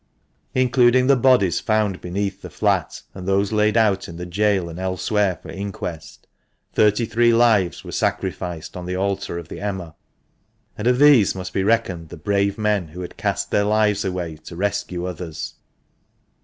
Including the bodies found beneath the flat and those laid out in the gaol and elsewhere for inquest, thirty three lives were sacrificed on the altar of the Emma; and of these must be reckoned the brave men who cast their lives away to rescue others.